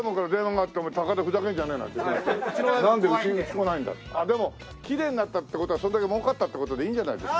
ああでもきれいになったって事はそれだけ儲かったって事でいいんじゃないんですか？